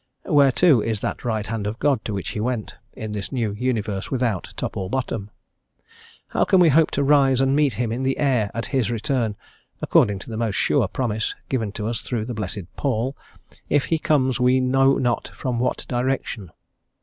Where, too, is that Right Hand of God to which He went, in this new universe without top or bottom? How can we hope to rise and meet Him in the air at His return, according to the most sure promise given to us through the blessed Paul, if He comes we know not from what direction?